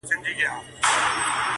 پرېميږده ! پرېميږده سزا ده د خداى!